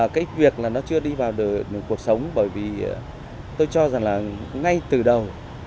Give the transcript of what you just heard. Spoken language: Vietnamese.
cái việc là nó chưa đi vào được cuộc sống bởi vì tôi cho rằng là ngay từ đầu